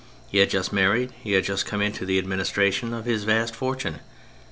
He had just married, he had just come into the administration of his vast fortune.